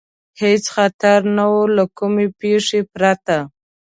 هېڅ خطر نه و، له کومې پېښې پرته.